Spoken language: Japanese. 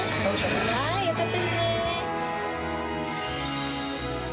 はいよかったですね。